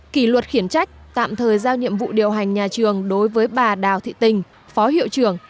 kỷ luật khiển trách tạm thời giao nhiệm vụ điều hành nhà trường đối với bà đào thị tình phó hiệu trưởng